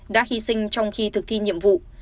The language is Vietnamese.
đã hy sinh trong khi thực thi nhiệm vụ